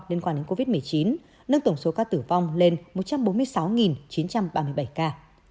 liên quan đến covid một mươi chín nâng tổng số ca tử vong lên một trăm bốn mươi sáu chín trăm ba mươi bảy ca